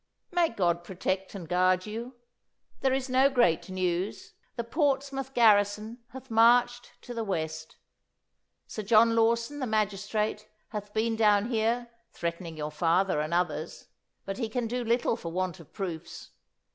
'"May God protect and guard you! There is no great news. The Portsmouth garrison hath marched to the West. Sir John Lawson, the magistrate, hath been down here threatening your father and others, but he can do little for want of proofs.